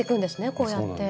こうやって。